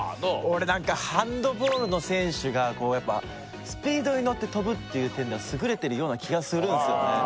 俺何かハンドボールの選手がやっぱスピードに乗って跳ぶっていう点では優れてるような気がするんすよね